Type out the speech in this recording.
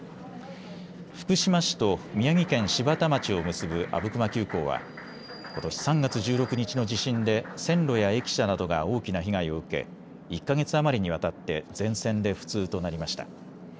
福島市と宮城県柴田町を結ぶ阿武隈急行はことし３月１６日の地震で線路や駅舎などが大きな被害を受け１か月余りにわたって全線で不通となりました。